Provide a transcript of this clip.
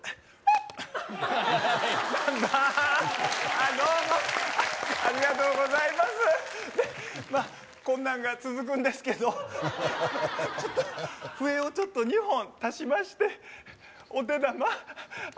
あどうもありがとうございますまっこんなんが続くんですけどちょっと笛をちょっと２本足しましてお手玉